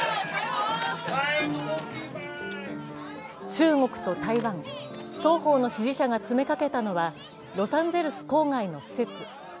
中国と台湾、双方の支持者が詰めかけたのはロサンゼルス郊外の施設。